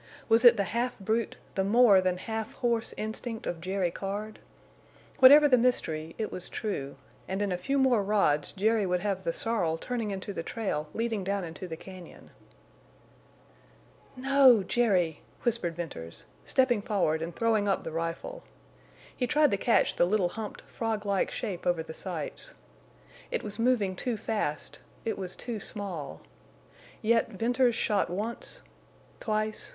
Was it the half brute, the more than half horse instinct of Jerry Card? Whatever the mystery, it was true. And in a few more rods Jerry would have the sorrel turning into the trail leading down into the cañon. "No—Jerry!" whispered Venters, stepping forward and throwing up the rifle. He tried to catch the little humped, frog like shape over the sights. It was moving too fast; it was too small. Yet Venters shot once... twice...